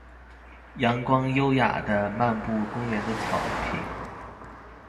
陽光優雅地漫步公園的草坪